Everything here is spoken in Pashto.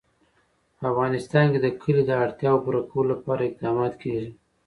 په افغانستان کې د کلي د اړتیاوو پوره کولو لپاره اقدامات کېږي.